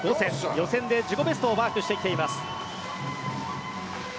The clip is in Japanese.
予選で自己ベストをマークしてきています。